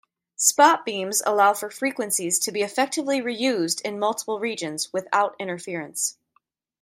Spot beams allow for frequencies to be effectively reused in multiple regions without interference.